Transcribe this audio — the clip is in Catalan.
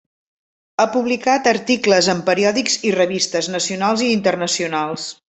Ha publicat articles en periòdics i revistes, nacionals i internacionals.